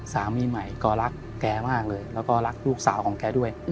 สามีใหม่ก็รักแกมากเลยแล้วก็รักลูกสาวของแกด้วย